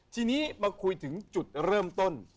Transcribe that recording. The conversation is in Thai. ทีนี้มาคุยถึงจุดเริ่มต้น